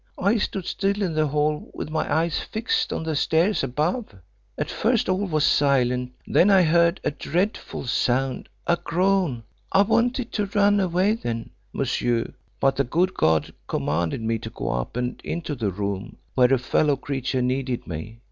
I stood still in the hall with my eyes fixed on the stairs above. At first all was silent, then I heard a dreadful sound a groan. I wanted to run away then, monsieur, but the good God commanded me to go up and into the room, where a fellow creature needed me.